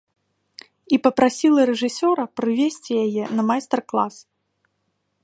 І папрасіла рэжысёра прывесці яе на майстар-клас.